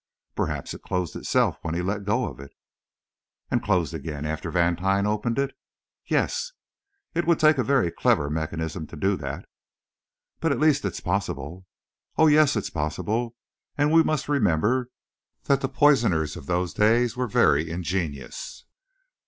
"Perhaps it closed itself when he let go of it." "And closed again after Vantine opened it?" "Yes." "It would take a very clever mechanism to do that." "But at least it's possible." "Oh, yes; it's possible. And we must remember that the poisoners of those days were very ingenious.